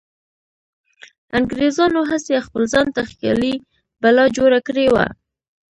انګریزانو هسې خپل ځانته خیالي بلا جوړه کړې وه.